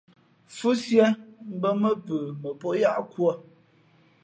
Mfhʉ́síé mbᾱ mά pʉ mα pó yáʼ kūᾱ.